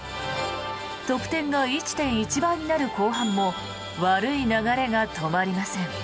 得点が１．１倍になる後半も悪い流れが止まりません。